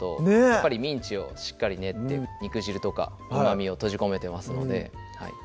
やっぱりミンチをしっかり練って肉汁とかうまみを閉じ込めてますのではい